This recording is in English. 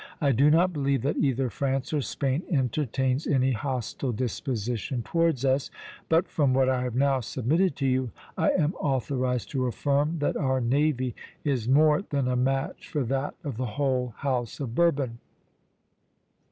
I do not believe that either France or Spain entertains any hostile disposition toward us; but from what I have now submitted to you, I am authorized to affirm that our navy is more than a match for that of the whole House of Bourbon."